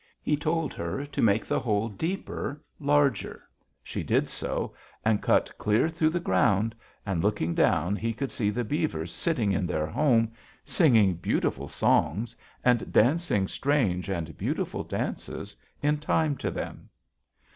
He told her to make the hole deeper; larger. She did so, and cut clear through the ground, and looking down he could see the beavers sitting in their home, singing beautiful songs, and dancing strange and beautiful dances in time to them.